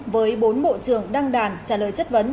với bốn bộ trưởng đăng đàn trả lời chất vấn